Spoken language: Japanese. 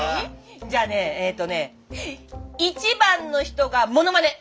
じゃあねえっとね１番の人がモノマネ！